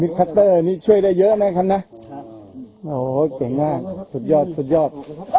คัตเตอร์นี่ช่วยได้เยอะนะครับนะโอ้โหเก่งมากสุดยอดสุดยอด